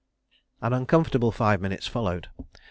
An uncomfortable five minutes followed.